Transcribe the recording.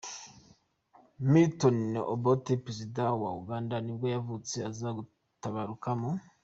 Milton Obote, perezida wa wa Uganda nibwo yavutse, aza gutabaruka mu .